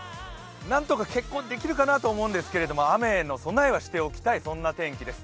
なんとか決行できるかなって思うんですけど雨の備えはしておきたい、そんな天気です。